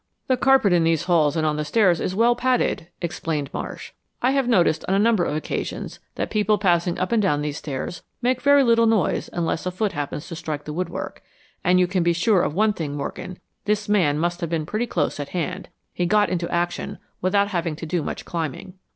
"The carpet in these halls and on the stairs is well padded," explained Marsh. "I have noticed on a number of occasions that people passing up and down these stairs make very little noise unless a foot happens to strike the woodwork. And you can be sure of one thing, Morgan, this man must have been pretty close at hand. He got into action without having to do much climbing."